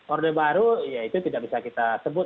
orde baru ya itu tidak bisa kita sebut